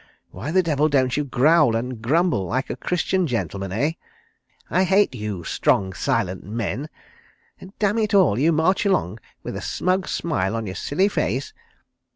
... Why the devil don't you growl and grumble like a Christian gentleman, eh? ... I hate you 'strong silent men.' ... Dammitall—you march along with a smug smile on your silly face!